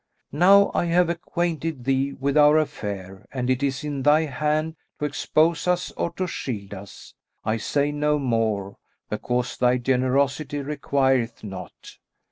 Now I have acquainted thee with our affair and it is in thy hand to expose us or to shield us; I say no more, because thy generosity requireth naught.